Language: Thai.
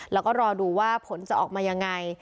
แล้วก็รอดูว่าผลจะออกมายังไง